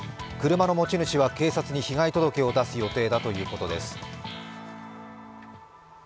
車の持ち主は警察に被害届を出す予定だということです。